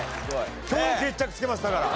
今日決着つけますだから。